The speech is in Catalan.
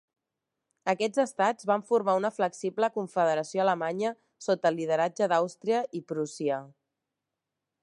Aquests estats van formar una flexible Confederació Alemanya sota el lideratge d'Àustria i Prússia.